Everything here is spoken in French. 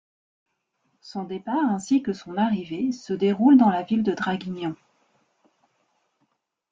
Son départ ainsi que son arrivée se déroule dans la ville de Draguignan.